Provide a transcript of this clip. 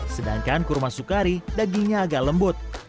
sedangkan kurma sukari dagingnya agak lembut